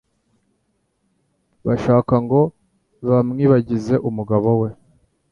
bashaka ngo bamwibagize umugabo we